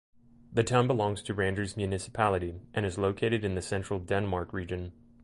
The town belongs to Randers Municipality and is located in the Central Denmark Region.